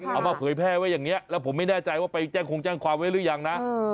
เอามาเผยแพร่ไว้อย่างนี้แล้วผมไม่แน่ใจว่าไปแจ้งคงแจ้งความไว้หรือยังนะ